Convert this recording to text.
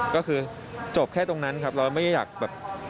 ก็คือจบแค่ตรงนั้นครับเราไม่ได้อยากแบบ